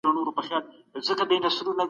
هغه د خپلو غاښونو په مینځلو بوخت دی.